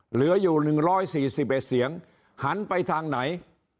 เหลืออยู่หนึ่งร้อยสี่สิบเอ็ดเสียงหันไปทางไหน